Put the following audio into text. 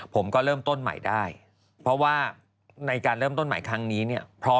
ผมก็เริ่มต้นใหม่ได้เพราะว่าในการเริ่มต้นใหม่ครั้งนี้เนี่ย